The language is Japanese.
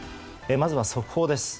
まずは速報です。